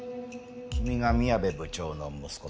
君が宮部部長の息子さんか。